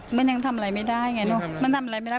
มันยังทำอะไรไม่ได้ไงเนอะมันทำอะไรไม่ได้